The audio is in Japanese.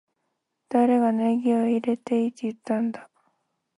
誰がネギを入れていいって言ったんだ